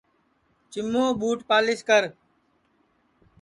چِیمُوں ٻوٹ پالِیس کر